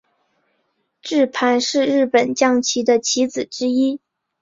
鸠盘是日本将棋的棋子之一。